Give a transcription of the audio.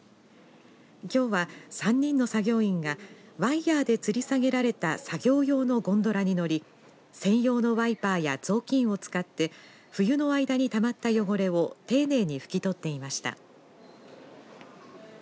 きょうは３人の作業員がワイヤーでつり下げられた作業用のゴンドラに乗り専用のワイパーや雑巾を使って冬の間にたまった汚れを丁寧に拭き取っていました。